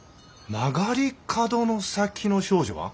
「曲がり角の先の少女」は？